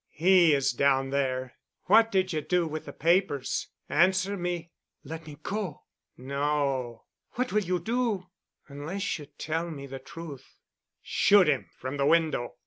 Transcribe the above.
"He is down there. What did you do with the papers? Answer me." "Let me go." "No." "What will you do?" "Unless you tell me the truth—shoot him from the window."